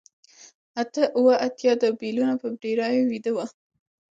اتیا اوه اتیا د بیلونو په ډیرۍ ویده و